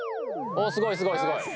おすごいすごいすごい！